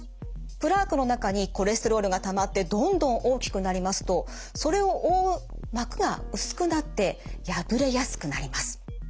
プラークの中にコレステロールがたまってどんどん大きくなりますとそれを覆う膜が薄くなって破れやすくなります。